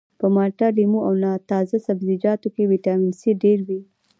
په مالټه لیمو او تازه سبزیجاتو کې ویټامین سي ډیر وي